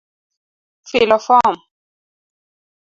Filo fom: